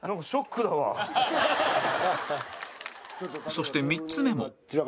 そして３つ目も